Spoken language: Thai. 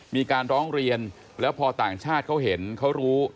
มีการร้องเรียนแล้วพอต่างชาติเขาเห็นเขารู้